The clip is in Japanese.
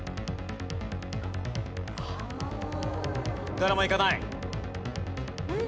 誰もいかない。